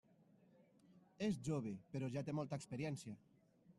És jove, però ja té molta experiència.